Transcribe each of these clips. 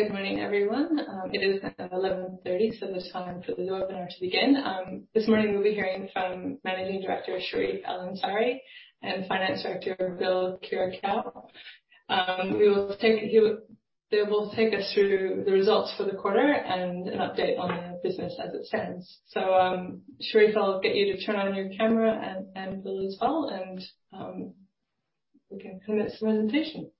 Good morning, everyone. It is now 11:30 A.M., so it's time for the webinar to begin. This morning we'll be hearing from Managing Director Charif El-Ansari and Finance Director Bill Kyriacou. They will take us through the results for the quarter and an update on the business as it stands. Charif, I'll get you to turn on your camera, and Bill as well, and we can commence the presentation.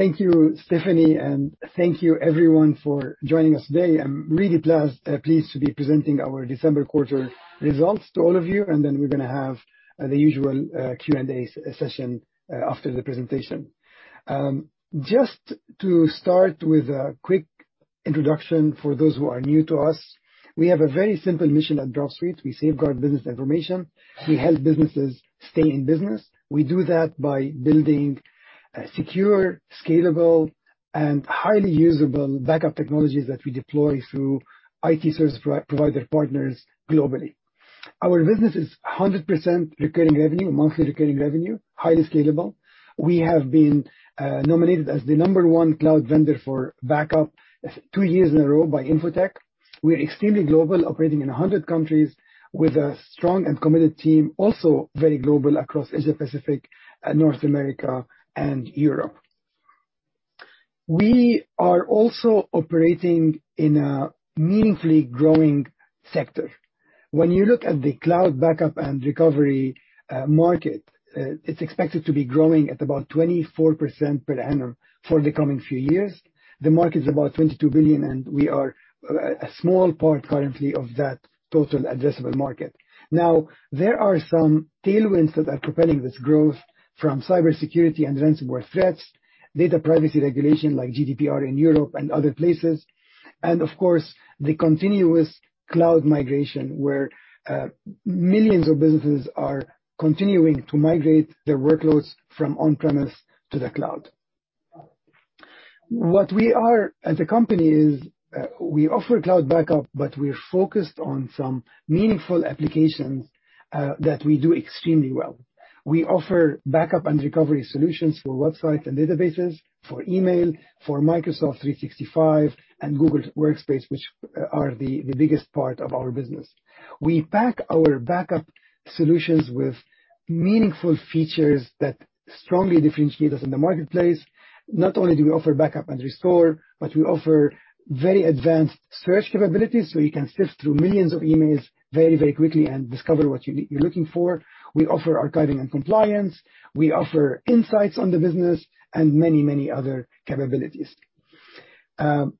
Thank you, Stephanie, and thank you everyone for joining us today. I'm really pleased to be presenting our December quarter results to all of you, and then we're gonna have the usual Q&A session after the presentation. Just to start with a quick introduction for those who are new to us, we have a very simple mission at Dropsuite. We safeguard business information. We help businesses stay in business. We do that by building a secure, scalable, and highly usable backup technologies that we deploy through IT service provider partners globally. Our business is 100% recurring revenue, monthly recurring revenue, highly scalable. We have been nominated as the number one cloud vendor for backup two years in a row by Info-Tech. We're extremely global, operating in 100 countries with a strong and committed team, also very global across Asia-Pacific, North America, and Europe. We are also operating in a meaningfully growing sector. When you look at the cloud backup and recovery market, it's expected to be growing at about 24% per annum for the coming few years. The market is about $22 billion, and we are a small part currently of that total addressable market. Now, there are some tailwinds that are propelling this growth from cybersecurity and ransomware threats, data privacy regulation like GDPR in Europe and other places, and of course, the continuous cloud migration, where millions of businesses are continuing to migrate their workloads from on-premise to the cloud. What we are as a company is, we offer cloud backup, but we're focused on some meaningful applications that we do extremely well. We offer backup and recovery solutions for websites and databases, for email, for Microsoft 365 and Google Workspace, which are the biggest part of our business. We pack our backup solutions with meaningful features that strongly differentiate us in the marketplace. Not only do we offer backup and restore, but we offer very advanced search capabilities, so you can sift through millions of emails very, very quickly and discover what you're looking for. We offer archiving and compliance. We offer insights on the business and many, many other capabilities.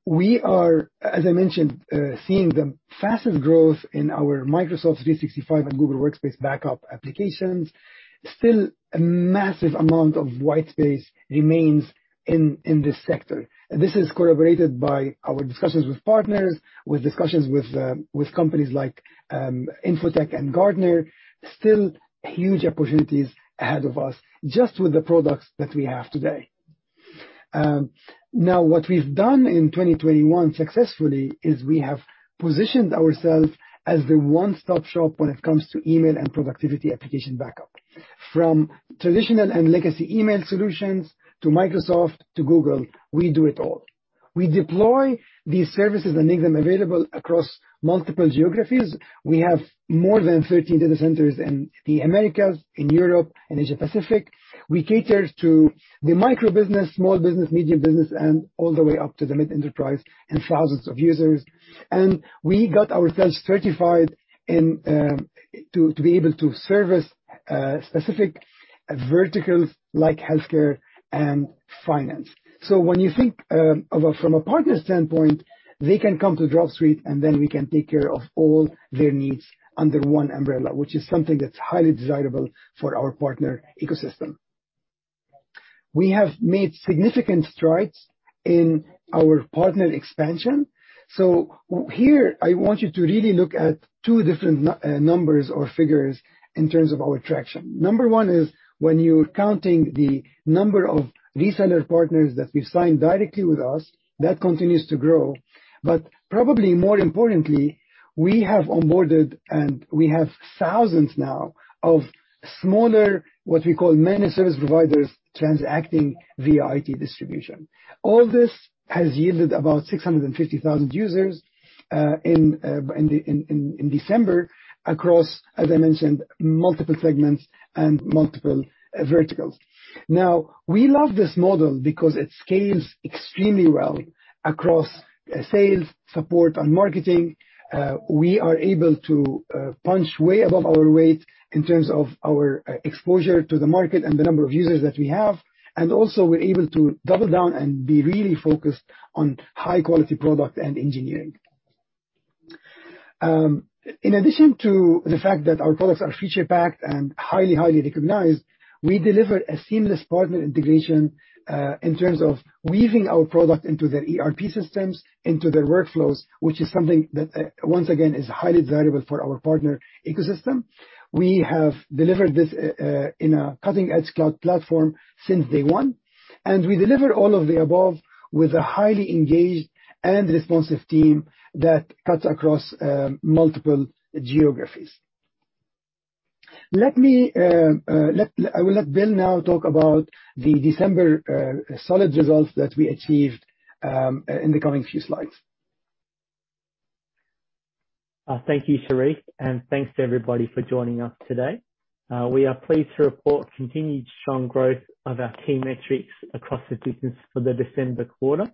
We are, as I mentioned, seeing the fastest growth in our Microsoft 365 and Google Workspace backup applications. Still, a massive amount of white space remains in this sector. This is corroborated by our discussions with partners, with companies like Info-Tech and Gartner. Still huge opportunities ahead of us just with the products that we have today. What we've done in 2021 successfully is we have positioned ourselves as the one-stop shop when it comes to email and productivity application backup. From traditional and legacy email solutions to Microsoft to Google, we do it all. We deploy these services and make them available across multiple geographies. We have more than 13 data centers in the Americas, in Europe, and Asia-Pacific. We cater to the micro business, small business, medium business, and all the way up to the mid enterprise and thousands of users. We got ourselves certified to be able to service specific verticals like healthcare and finance. When you think from a partner standpoint, they can come to Dropsuite, and then we can take care of all their needs under one umbrella, which is something that's highly desirable for our partner ecosystem. We have made significant strides in our partner expansion. Here I want you to really look at two different numbers or figures in terms of our traction. Number one is when you're counting the number of reseller partners that we've signed directly with us. That continues to grow. Probably more importantly, we have onboarded, and we have thousands now of smaller, what we call managed service providers, transacting via IT distribution. All this has yielded about 650,000 users in December across, as I mentioned, multiple segments and multiple verticals. Now, we love this model because it scales extremely well across sales, support, and marketing. We are able to punch way above our weight in terms of our exposure to the market and the number of users that we have, and also we're able to double down and be really focused on high-quality product and engineering. In addition to the fact that our products are feature-packed and highly recognized, we deliver a seamless partner integration in terms of weaving our product into their ERP systems, into their workflows, which is something that once again is highly valuable for our partner ecosystem. We have delivered this in a cutting-edge cloud platform since day one. We deliver all of the above with a highly engaged and responsive team that cuts across multiple geographies. I will let Bill now talk about the December solid results that we achieved in the coming few slides. Thank you, Charif, and thanks to everybody for joining us today. We are pleased to report continued strong growth of our key metrics across the business for the December quarter.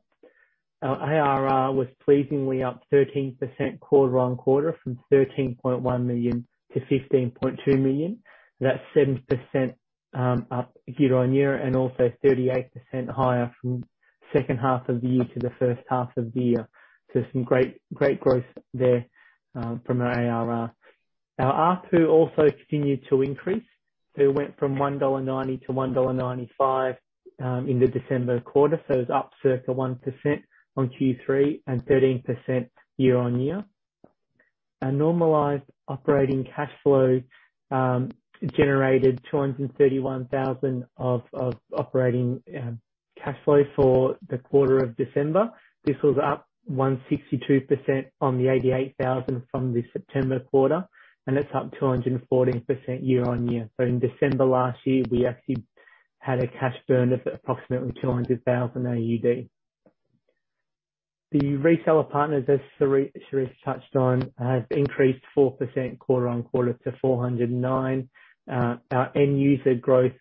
Our ARR was pleasingly up 13% quarter-on-quarter from AUD 13.1 million-AUD 15.2 million. That's 7% up year-on-year, and also 38% higher from second half of the year to the first half of the year. Some great growth there from our ARR. Our ARPU also continued to increase. It went from 1.90-1.95 dollar in the December quarter. It was up circa 1% on Q3 and 13% year-on-year. Our normalized operating cash flow generated 231,000 of operating cash flow for the December quarter. This was up 162% on the 88,000 from the September quarter, and it's up 214% year-on-year. In December last year, we actually had a cash burn of approximately 200,000 AUD. The reseller partners, as Charif touched on, have increased 4% quarter-on-quarter to 409. Our end user growth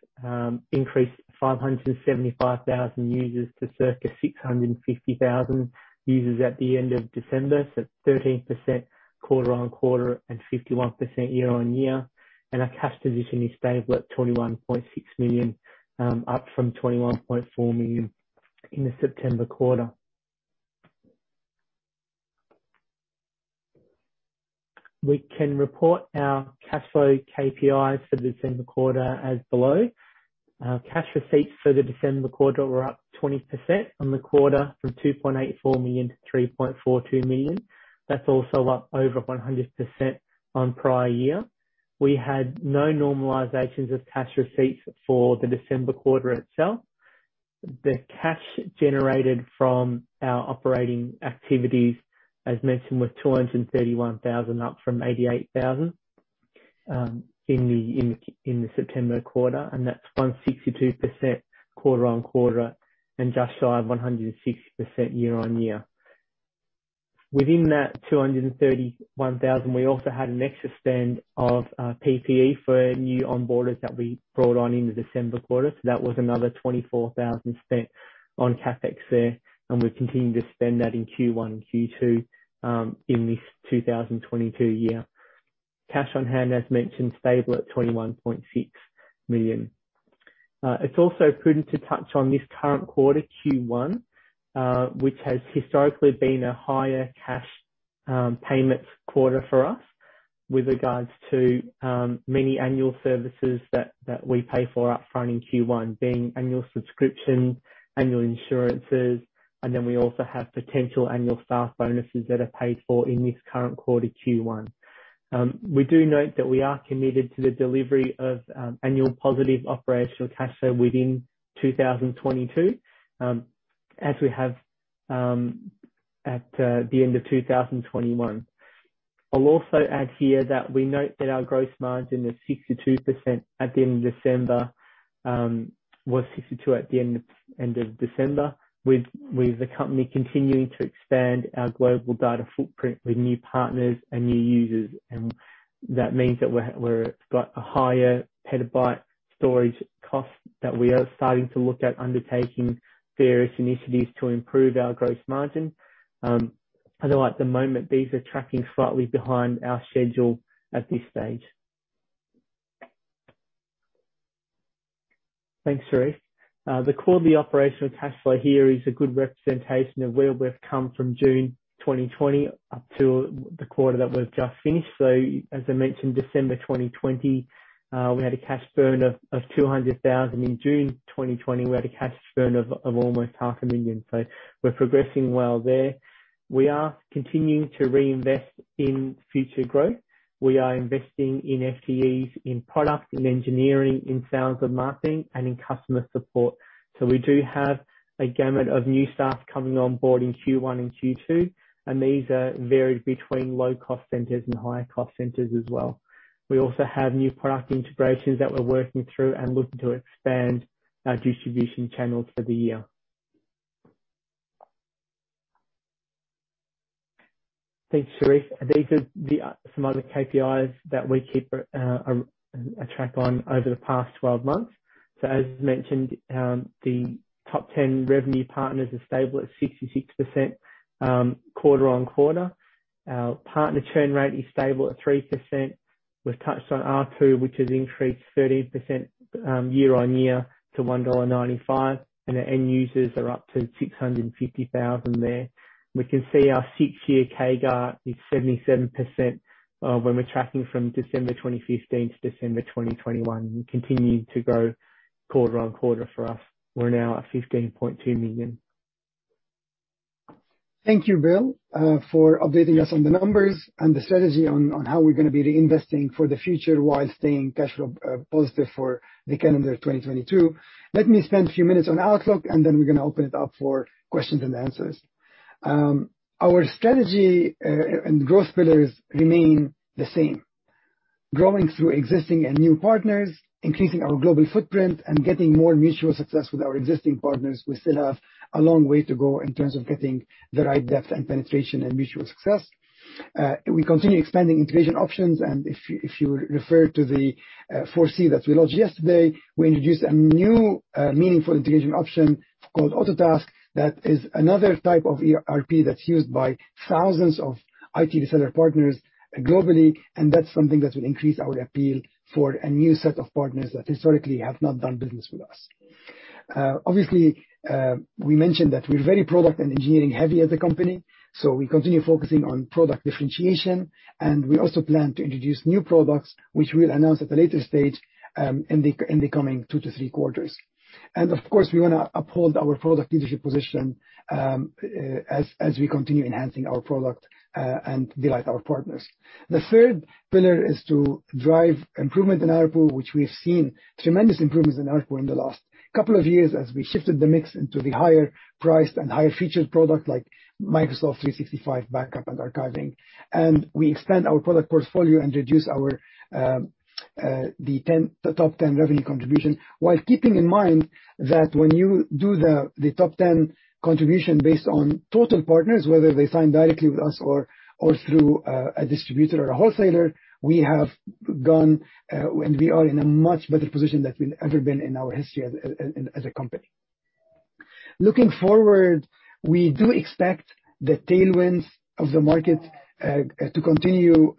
increased 575,000 users to circa 650,000 users at the end of December. So 13% quarter-on-quarter and 51% year-on-year. Our cash position is stable at 21.6 million, up from 21.4 million in the September quarter. We can report our cash flow KPIs for the December quarter as below. Our cash receipts for the December quarter were up 20% on the quarter from 2.84 million-3.42 million. That's also up over 100% on prior year. We had no normalizations of cash receipts for the December quarter itself. The cash generated from our operating activities, as mentioned, was 231,000, up from 88,000 in the September quarter, and that's 162% quarter-on-quarter and just shy of 160% year-on-year. Within that 231,000, we also had an extra spend of PPE for new onboarders that we brought on in the December quarter. That was another 24,000 spent on CapEx there, and we've continued to spend that in Q1 and Q2 in this 2022 year. Cash on hand, as mentioned, stable at 21.6 million. It's also prudent to touch on this current quarter, Q1, which has historically been a higher cash payments quarter for us with regards to many annual services that we pay for up front in Q1, being annual subscriptions, annual insurances, and then we also have potential annual staff bonuses that are paid for in this current quarter, Q1. We do note that we are committed to the delivery of annual positive operational cash flow within 2022, as we have at the end of 2021. I'll also add here that we note that our gross margin is 62% at the end of December. It was 62% at the end of December, with the company continuing to expand our global data footprint with new partners and new users. That means that we've got a higher petabyte storage cost that we are starting to look at undertaking various initiatives to improve our gross margin. Although at the moment, these are tracking slightly behind our schedule at this stage. Thanks, Charif. The quarterly operational cash flow here is a good representation of where we've come from June 2020 up to the quarter that we've just finished. As I mentioned, December 2020, we had a cash burn of 200,000. In June 2020, we had a cash burn of almost 500,000. We're progressing well there. We are continuing to reinvest in future growth. We are investing in FTEs, in product, in engineering, in sales and marketing, and in customer support. We do have a gamut of new staff coming on board in Q1 and Q2, and these vary between low cost centers and higher cost centers as well. We also have new product integrations that we're working through and looking to expand our distribution channels for the year. Thanks, Charif. These are some other KPIs that we keep track on over the past 12 months. As mentioned, the top 10 revenue partners are stable at 66%, quarter-on-quarter. Our partner churn rate is stable at 3%. We've touched on ARPU, which has increased 30%, year-on-year to 1.95 dollar, and the end users are up to 650,000 there. We can see our 6-year CAGR is 77%, when we're tracking from December 2015 to December 2021. We continue to grow quarter-over-quarter for us. We're now at 15.2 million. Thank you, Bill, for updating us on the numbers and the strategy on how we're gonna be reinvesting for the future while staying cash flow positive for the calendar 2022. Let me spend a few minutes on outlook, and then we're gonna open it up for questions and answers. Our strategy and growth pillars remain the same. Growing through existing and new partners, increasing our global footprint, and getting more mutual success with our existing partners. We still have a long way to go in terms of getting the right depth and penetration and mutual success. We continue expanding integration options, and if you refer to the 4C that we launched yesterday, we introduced a new meaningful integration option called Autotask. That is another type of ERP that's used by thousands of IT reseller partners globally, and that's something that will increase our appeal for a new set of partners that historically have not done business with us. Obviously, we mentioned that we're very product and engineering-heavy as a company, so we continue focusing on product differentiation. We also plan to introduce new products which we'll announce at a later stage, in the coming two to three quarters. Of course, we wanna uphold our product leadership position, as we continue enhancing our product, and delight our partners. The third pillar is to drive improvement in ARPU, which we have seen tremendous improvements in ARPU in the last couple of years as we shifted the mix into the higher priced and higher featured product like Microsoft 365 backup and archiving. We expand our product portfolio and reduce our the top 10 revenue contribution, while keeping in mind that when you do the top 10 contribution based on total partners, whether they sign directly with us or through a distributor or a wholesaler, we have grown and we are in a much better position than we've ever been in our history as a company. Looking forward, we do expect the tailwinds of the market to continue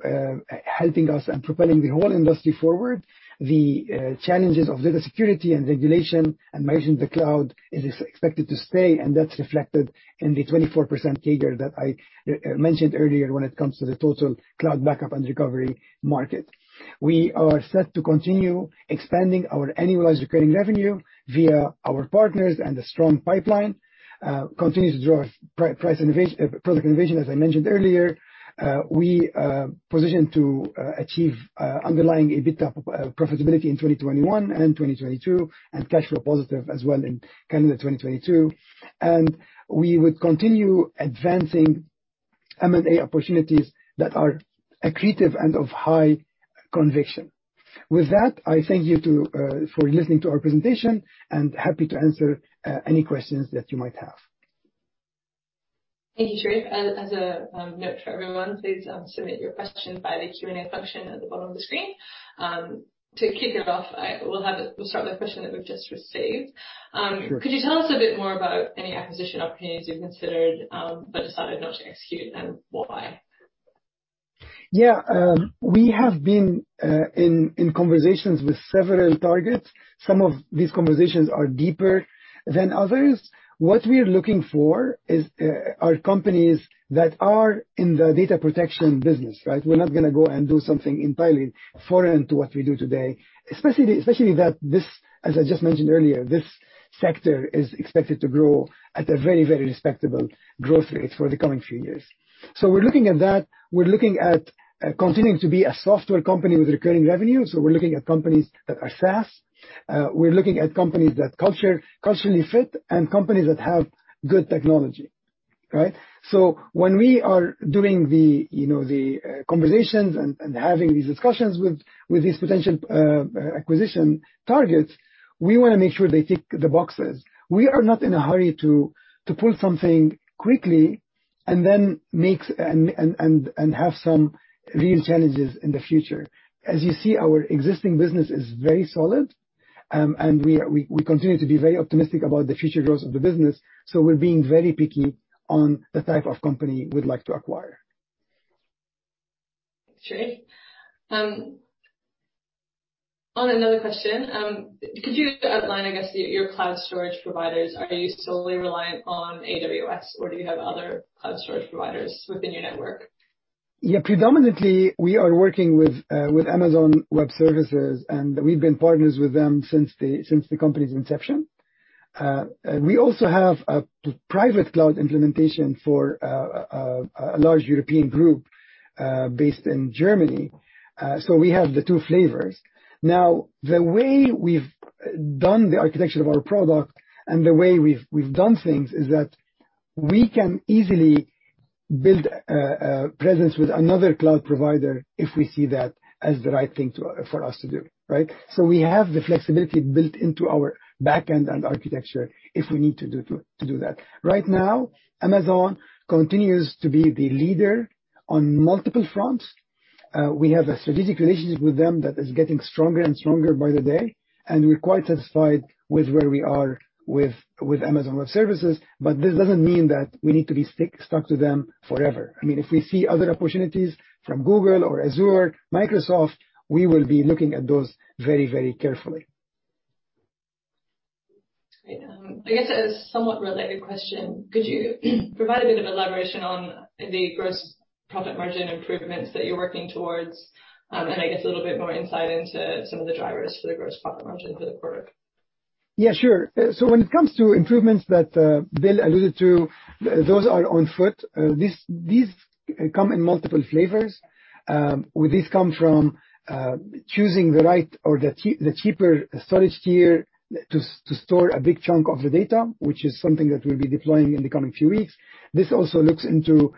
helping us and propelling the whole industry forward. The challenges of data security and regulation and managing the cloud is expected to stay, and that's reflected in the 24% CAGR that I mentioned earlier when it comes to the total cloud backup and recovery market. We are set to continue expanding our annualized recurring revenue via our partners and the strong pipeline. Continue to drive product innovation, as I mentioned earlier. We are positioned to achieve underlying EBITDA profitability in 2021 and in 2022, and cash flow positive as well in calendar 2022. We would continue advancing M&A opportunities that are accretive and of high conviction. With that, I thank you for listening to our presentation, and happy to answer any questions that you might have. Thank you, Charif. As a note for everyone, please submit your questions via the Q&A function at the bottom of the screen. To kick it off, we'll start with a question that we've just received. Could you tell us a bit more about any acquisition opportunities you've considered, but decided not to execute, and why? Yeah. We have been in conversations with several targets. Some of these conversations are deeper than others. What we are looking for are companies that are in the data protection business, right? We're not gonna go and do something entirely foreign to what we do today, especially that this, as I just mentioned earlier, this sector is expected to grow at a very respectable growth rate for the coming few years. We're looking at that. We're looking at continuing to be a software company with recurring revenue, so we're looking at companies that are SaaS. We're looking at companies that culturally fit and companies that have good technology, right? When we are doing you know, conversations and having these discussions with these potential acquisition targets, we wanna make sure they tick the boxes. We are not in a hurry to pull something quickly and then have some real challenges in the future. As you see, our existing business is very solid, and we continue to be very optimistic about the future growth of the business, so we're being very picky on the type of company we'd like to acquire. Thanks, Charif. On another question, could you outline, I guess, your cloud storage providers? Are you solely reliant on AWS? or do you have other cloud storage providers within your network? Yeah. Predominantly, we are working with Amazon Web Services, and we've been partners with them since the company's inception. We also have a private cloud implementation for a large European group based in Germany. So we have the two flavors. Now, the way we've done the architecture of our product and the way we've done things is that we can easily build a presence with another cloud provider if we see that as the right thing for us to do, right? We have the flexibility built into our back end and architecture if we need to do that. Right now, Amazon continues to be the leader on multiple fronts. We have a strategic relationship with them that is getting stronger and stronger by the day, and we're quite satisfied with where we are with Amazon Web Services. This doesn't mean that we need to be stuck to them forever. I mean, if we see other opportunities from Google or Azure, Microsoft, we will be looking at those very, very carefully. Great. I guess a somewhat related question. Could you provide a bit of elaboration on the gross profit margin improvements that you're working towards? I guess a little bit more insight into some of the drivers for the gross profit margin for the quarter. Yeah, sure. When it comes to improvements that Bill alluded to, those are on foot. These come in multiple flavors. These come from choosing the right or the cheaper storage tier to store a big chunk of the data, which is something that we'll be deploying in the coming few weeks. This also looks into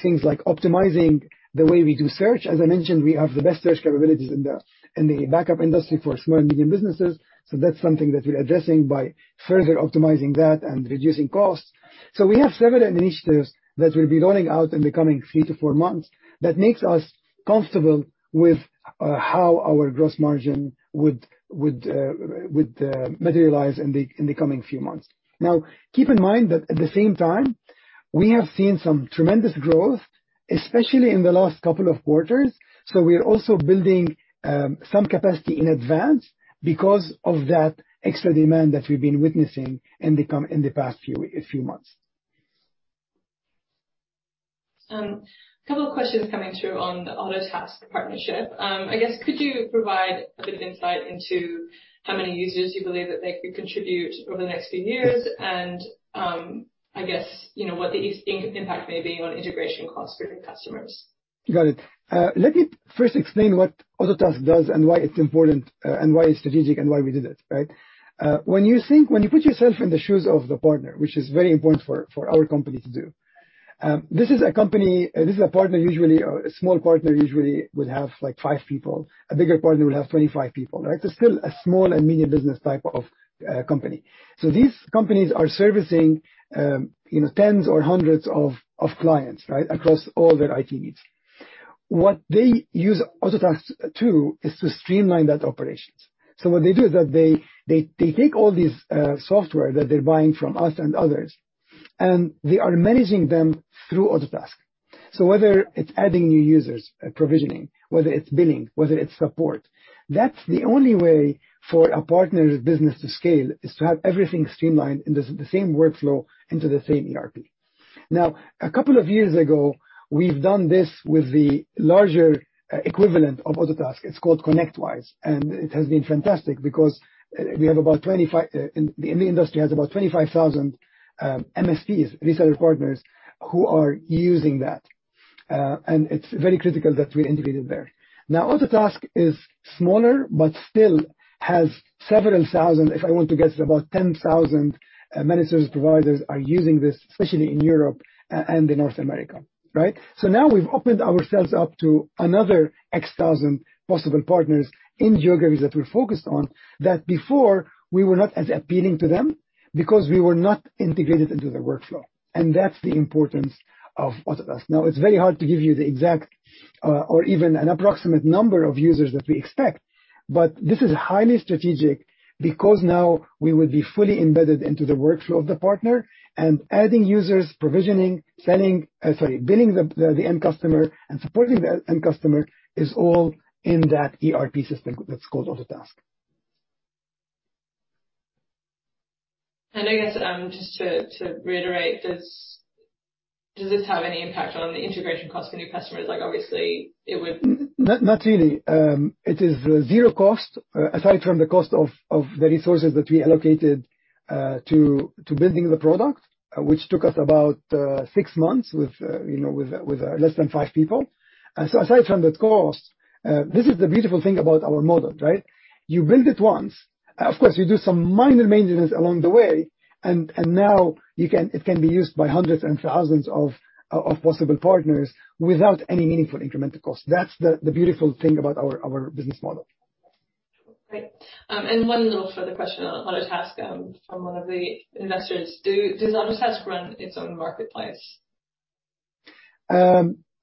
things like optimizing the way we do search. As I mentioned, we have the best search capabilities in the backup industry for small and medium businesses. That's something that we're addressing by further optimizing that and reducing costs. We have several initiatives that we'll be rolling out in the coming three to four months that makes us comfortable with how our gross margin would materialize in the coming few months. Now, keep in mind that at the same time, we have seen some tremendous growth, especially in the last couple of quarters. We are also building some capacity in advance because of that extra demand that we've been witnessing in the past few months. A couple of questions coming through on the Autotask partnership. I guess could you provide a bit of insight into how many users you believe that they could contribute over the next few years? I guess, you know, what the impact may be on integration costs for your customers? Got it. Let me first explain what Autotask does and why it's important, and why it's strategic and why we did it, right? When you put yourself in the shoes of the partner, which is very important for our company to do. This is a partner. Usually, a small partner would have, like, five people. A bigger partner would have 25 people, right? They're still a small and medium business type of company. These companies are servicing you know, tens or hundreds of clients, right? Across all their IT needs. What they use Autotask tool is to streamline their operations. What they do is that they take all these software that they're buying from us and others, and they are managing them through Autotask. Whether it's adding new users, provisioning, whether it's billing, whether it's support, that's the only way for a partner's business to scale, is to have everything streamlined in the same workflow into the same ERP. Now, a couple of years ago, we've done this with the larger equivalent of Autotask. It's called ConnectWise, and it has been fantastic because in the industry there are about 25,000 MSPs, reseller partners who are using that. And it's very critical that we integrated there. Now, Autotask is smaller, but still has several thousand. If I want to guess, about 10,000 managed service providers are using this, especially in Europe and in North America, right? Now we've opened ourselves up to another X thousand possible partners in geographies that we're focused on, that before we were not as appealing to them because we were not integrated into their workflow. That's the importance of Autotask. Now, it's very hard to give you the exact, or even an approximate number of users that we expect, but this is highly strategic because now we will be fully embedded into the workflow of the partner. Adding users, provisioning, selling, billing the end customer and supporting the end customer is all in that ERP system that's called Autotask. I guess, just to reiterate, does this have any impact on the integration cost for new customers? Like, obviously it would. Not really. It is zero cost aside from the cost of the resources that we allocated to building the product, which took us about six months with you know with less than five people. Aside from that cost, this is the beautiful thing about our model, right? You build it once. Of course, you do some minor maintenance along the way. Now it can be used by hundreds and thousands of possible partners without any meaningful incremental cost. That's the beautiful thing about our business model. Great. One little further question on Autotask from one of the investors. Does Autotask run its own marketplace?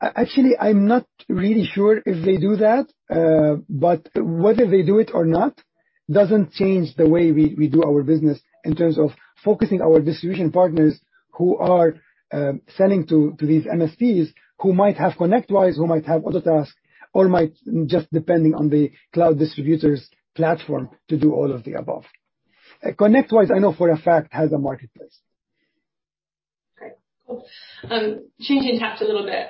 Actually, I'm not really sure if they do that, but whether they do it or not doesn't change the way we do our business in terms of focusing our distribution partners who are selling to these MSPs who might have ConnectWise, who might have Autotask, or might just depending on the cloud distributor's platform to do all of the above. ConnectWise, I know for a fact, has a marketplace. Great. Cool. Changing tack a little bit.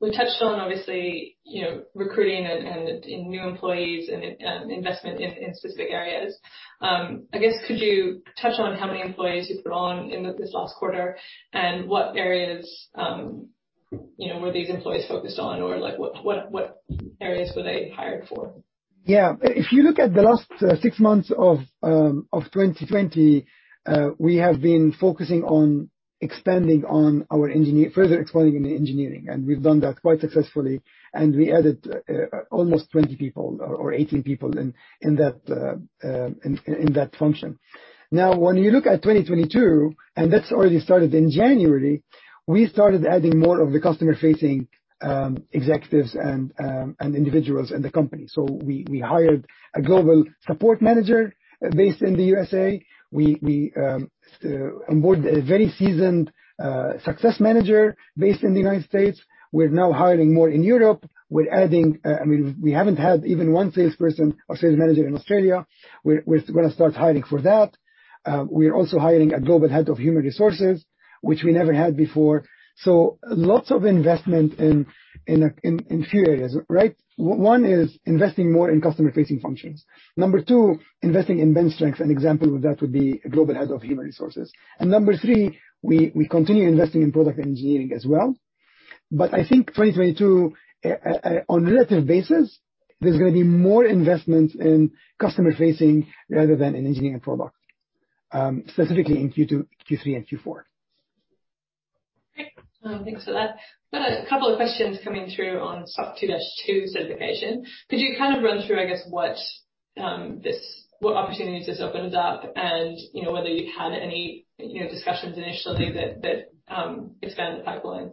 We touched on obviously, you know, recruiting and new employees and investment in specific areas. I guess could you touch on how many employees you've grown in this last quarter and what areas, you know, were these employees focused on? Or like, what areas were they hired for? Yeah. If you look at the last six months of 2020, we have been focusing on further expanding in engineering, and we've done that quite successfully. We added almost 20 people or 18 people in that function. Now, when you look at 2022, and that's already started in January, we started adding more of the customer-facing executives and individuals in the company. We hired a global support manager based in the USA. We onboarded a very seasoned success manager based in the United States. We're now hiring more in Europe. We're adding, I mean, we haven't had even one salesperson or sales manager in Australia. We're gonna start hiring for that. We are also hiring a global head of human resources, which we never had before. Lots of investment in few areas, right? One is investing more in customer-facing functions. Number two, investing in bench strength. An example of that would be a global head of human resources. Number three, we continue investing in product engineering as well. I think 2022, on a relative basis, there's gonna be more investment in customer-facing rather than in engineering product, specifically in Q2, Q3, and Q4. Great. Thanks for that. Got a couple of questions coming through on SOC 2 Type 2 certification. Could you kind of run through, I guess, what opportunities this opens up and, you know, whether you had any, you know, discussions initially that expanded the pipeline?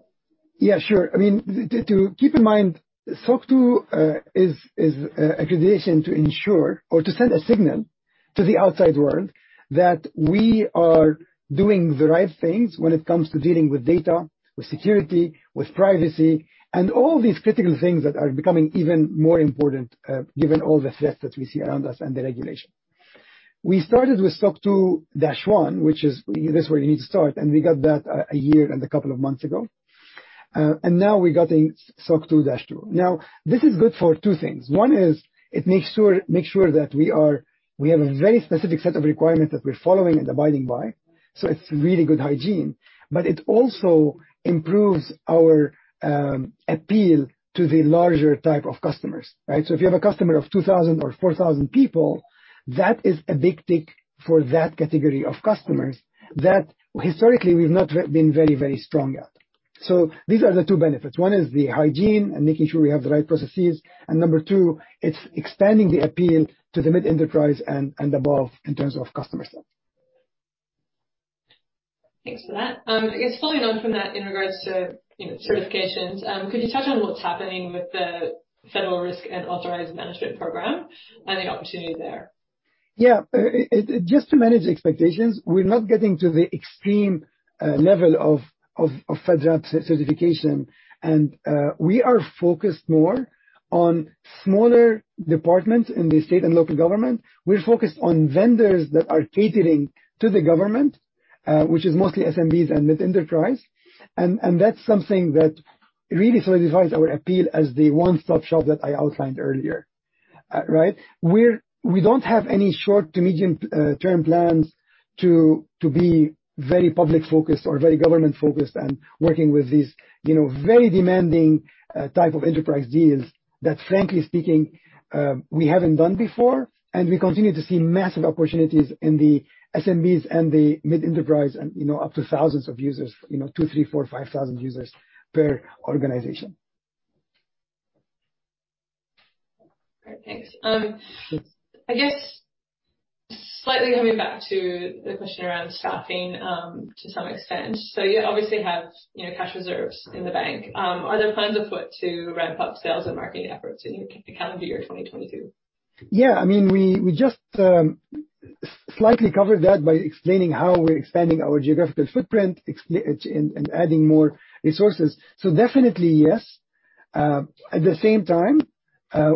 Yeah, sure. I mean, to keep in mind, SOC 2 is a certification to ensure or to send a signal to the outside world that we are doing the right things when it comes to dealing with data, with security, with privacy, and all these critical things that are becoming even more important given all the threats that we see around us and the regulation. We started with SOC 2-1, which is this is where you need to start, and we got that a year and a couple of months ago. Now we're getting SOC 2-2. Now, this is good for two things. One is it makes sure that we have a very specific set of requirements that we're following and abiding by, so it's really good hygiene. It also improves our appeal to the larger type of customers, right? If you have a customer of 2,000 or 4,000 people, that is a big tick for that category of customers that historically we've not been very, very strong at. These are the two benefits. One is the hygiene and making sure we have the right processes. Number two, it's expanding the appeal to the mid-enterprise and above in terms of customer set. Thanks for that. I guess following on from that in regards to, you know, certifications, could you touch on what's happening with the Federal Risk and Authorization Management Program and the opportunity there? Yeah. Just to manage expectations, we're not getting to the extreme level of FedRAMP certification. We are focused more on smaller departments in the state and local government. We're focused on vendors that are catering to the government, which is mostly SMBs and mid-enterprise. That's something that really solidifies our appeal as the one-stop shop that I outlined earlier, right? We don't have any short to medium term plans to be very public-focused or very government-focused and working with these, you know, very demanding type of enterprise deals that, frankly speaking, we haven't done before. We continue to see massive opportunities in the SMBs and the mid-enterprise and, you know, up to thousands of users, you know, 2,000, 3,000, 4,000, 5,000 users per organization. Great. Thanks. I guess slightly coming back to the question around staffing, to some extent. You obviously have, you know, cash reserves in the bank. Are there plans afoot to ramp up sales and marketing efforts in calendar year 2022? Yeah. I mean, we just slightly covered that by explaining how we're expanding our geographical footprint and adding more resources. Definitely yes. At the same time,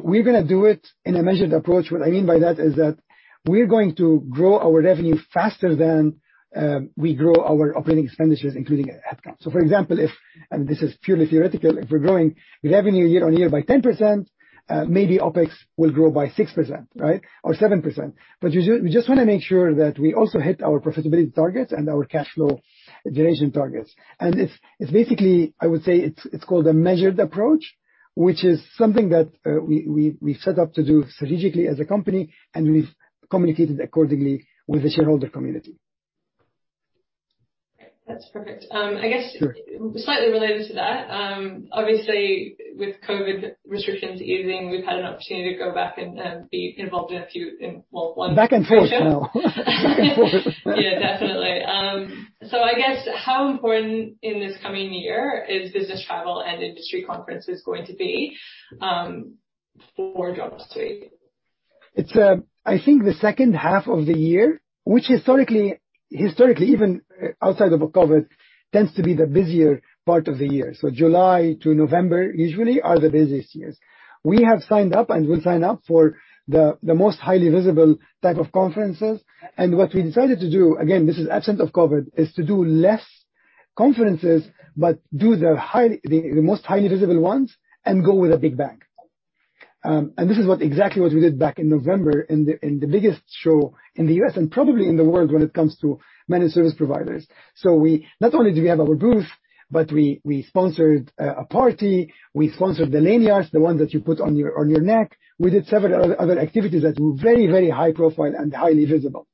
we're gonna do it in a measured approach. What I mean by that is that we're going to grow our revenue faster than we grow our operating expenditures, including headcounts. For example, and this is purely theoretical, if we're growing revenue year-on-year by 10%, maybe OpEx will grow by 6%, right? Or 7%. But we just wanna make sure that we also hit our profitability targets and our cash flow duration targets. It's basically, I would say, it's called a measured approach, which is something that we set up to do strategically as a company, and we've communicated accordingly with the shareholder community. Great. That's perfect. Sure. Slightly related to that, obviously with COVID restrictions easing, we've had an opportunity to go back and be involved in a few, well, one. Back and forth now. Back and forth. Yeah, definitely. I guess how important in this coming year is business travel and industry conferences going to be, for Dropsuite? It's I think the second half of the year, which historically, even outside of COVID, tends to be the busier part of the year. July to November usually are the busiest years. We have signed up and will sign up for the most highly visible type of conferences. What we decided to do, again, this is absent of COVID, is to do less conferences, but do the most highly visible ones and go with a big bang. This is exactly what we did back in November in the biggest show in the U.S. and probably in the world when it comes to managed service providers. We not only have our booth, but we sponsored a party, we sponsored the lanyards, the ones that you put on your neck. We did several other activities that were very, very high profile and highly visible.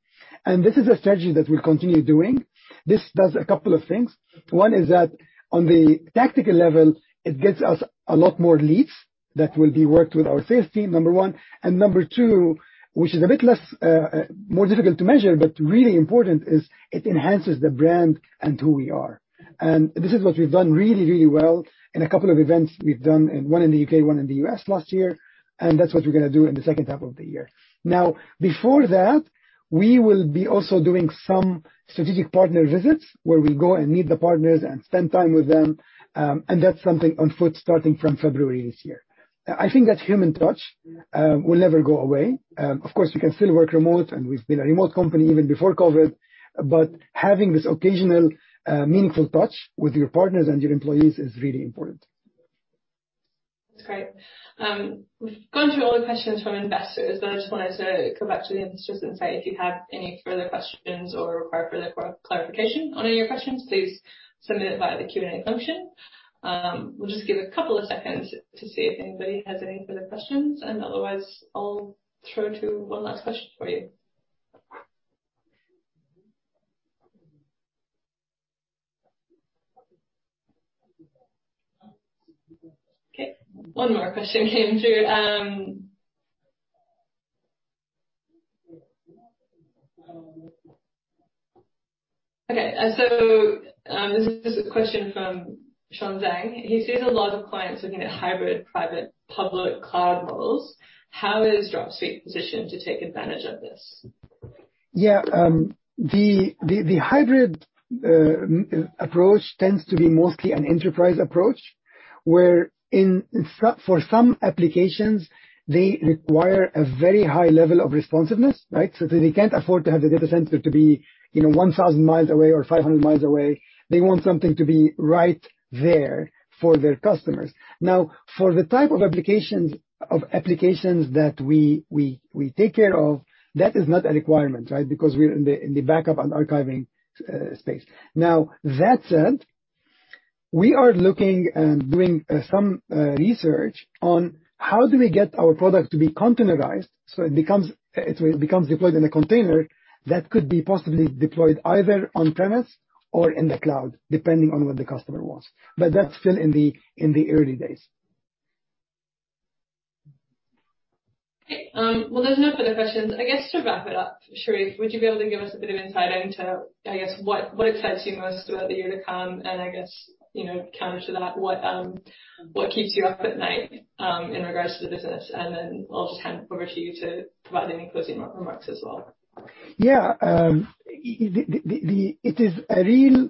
This is a strategy that we'll continue doing. This does a couple of things. One is that on the tactical level, it gets us a lot more leads that will be worked with our sales team, number one. Number two, which is a bit less, more difficult to measure, but really important is it enhances the brand and who we are. This is what we've done really, really well in a couple of events we've done, and one in the U.K., one in the U.S. last year, and that's what we're gonna do in the second half of the year. Now, before that, we will be also doing some strategic partner visits where we go and meet the partners and spend time with them. That's something afoot starting from February this year. I think that human touch will never go away. Of course, we can still work remote, and we've been a remote company even before COVID, but having this occasional meaningful touch with your partners and your employees is really important. That's great. We've gone through all the questions from investors, but I just wanted to come back to the investors and say if you have any further questions or require further clarification on any of your questions, please submit it via the Q&A function. We'll just give a couple of seconds to see if anybody has any further questions, and otherwise, I'll throw to one last question for you. Okay, one more question came through. Okay. So, this is a question from Sean Zhang. He sees a lot of clients looking at hybrid private public cloud models. How is Dropsuite positioned to take advantage of this? Yeah. The hybrid approach tends to be mostly an enterprise approach, where for some applications, they require a very high level of responsiveness, right? So they can't afford to have the data center to be, you know, 1,000 mi away or 500 mi away. They want something to be right there for their customers. Now, for the type of applications that we take care of, that is not a requirement, right? Because we're in the backup and archiving space. Now, that said, we are looking and doing some research on how do we get our product to be containerized so it becomes deployed in a container that could be possibly deployed either on-premise or in the cloud, depending on what the customer wants. That's still in the early days. Okay. Well, there's no further questions. I guess to wrap it up, Charif, would you be able to give us a bit of insight into, I guess, what excites you most about the year to come, and I guess, you know, counter to that, what keeps you up at night in regards to the business? Then I'll just hand it over to you to provide any closing remarks as well. Yeah. It is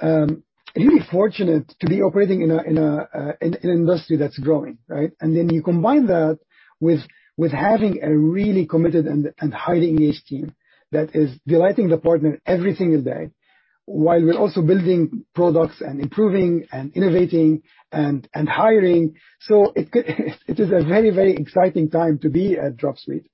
really fortunate to be operating in an industry that's growing, right? You combine that with having a really committed and highly engaged team that is delighting the partner every single day while we're also building products and improving and innovating and hiring. It is a very exciting time to be at Dropsuite.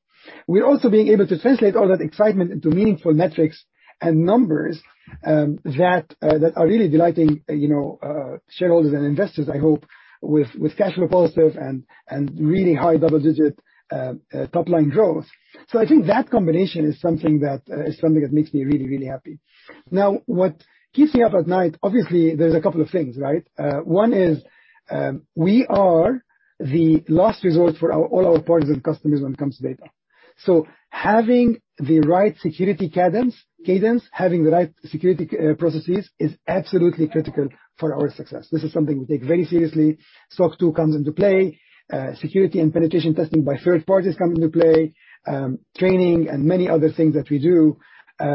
We're also being able to translate all that excitement into meaningful metrics and numbers that are really delighting, you know, shareholders and investors, I hope, with cash flow positive and really high double-digit top line growth. I think that combination is something that makes me really happy. Now, what keeps me up at night, obviously, there's a couple of things, right? One is, we are the last resort for all our partners and customers when it comes to data. Having the right security cadence, having the right security processes is absolutely critical for our success. This is something we take very seriously. SOC 2 comes into play, security and penetration testing by third parties come into play, training and many other things that we do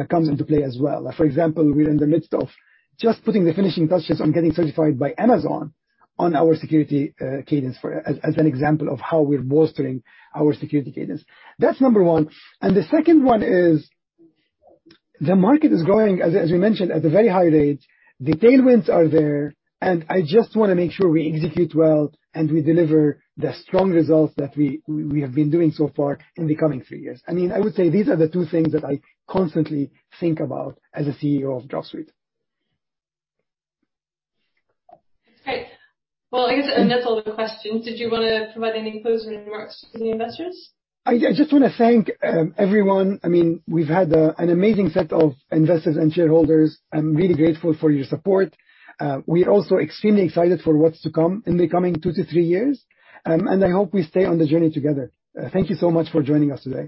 comes into play as well. For example, we're in the midst of just putting the finishing touches on getting certified by Amazon on our security cadence for, as an example of how we're bolstering our security cadence. That's number one. The second one is the market is growing, as we mentioned, at a very high rate. The tailwinds are there, and I just wanna make sure we execute well and we deliver the strong results that we have been doing so far in the coming three years. I mean, I would say these are the two things that I constantly think about as a CEO of Dropsuite. Great. Well, I guess, that's all the questions. Did you wanna provide any closing remarks to the investors? I just wanna thank everyone. I mean, we've had an amazing set of investors and shareholders. I'm really grateful for your support. We are also extremely excited for what's to come in the coming two to three years. I hope we stay on the journey together. Thank you so much for joining us today.